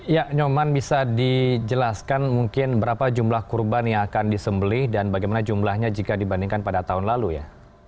ya nyoman bisa dijelaskan mungkin berapa jumlah kurban yang akan disembelih dan bagaimana jumlahnya jika dibandingkan pada tahun lalu ya